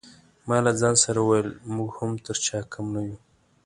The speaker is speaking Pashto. ما له ځان سره وویل موږ هم تر چا کم نه یو.